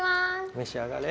めし上がれ。